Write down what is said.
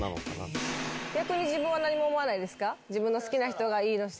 逆に自分は何も思わないですか？